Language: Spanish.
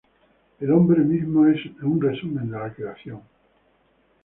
El hombre mismo es resumen de la creación.